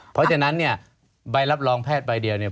เพราะฉะนั้นเนี่ยใบรับรองแพทย์ใบเดียวเนี่ย